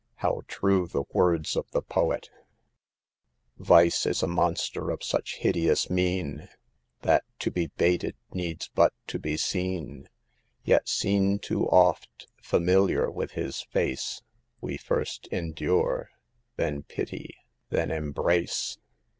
How true the words of the poet :" Vice is a monster of such hideous mien, That to he hated, needs hut to be seen; Yet seen too oft, familiar with his face, We first endure, then pity, then embrace."